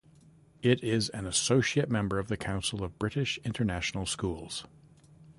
It is an associate member of the Council of British International Schools.